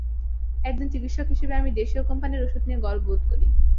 একজন চিকিৎসক হিসেবে আমি দেশীয় কোম্পানির ওষুধ নিয়ে গর্ববোধ করি।